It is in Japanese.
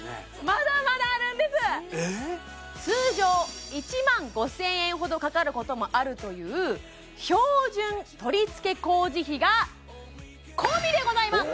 まだまだあるんですえっ通常１万５０００円ほどかかることもあるという標準取付け工事費が込みでございます！